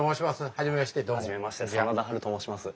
初めまして真田ハルと申します。